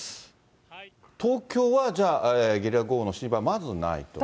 東京はじゃあ、ゲリラ豪雨の心配は、まずないと。